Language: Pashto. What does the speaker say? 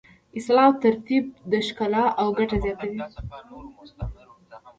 اصلاح او ترتیب ښکلا او ګټه زیاتوي.